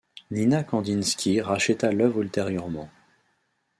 Nina Kandinsky racheta l'œuvre ultérieurement.